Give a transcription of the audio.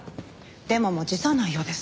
デモも辞さないようです。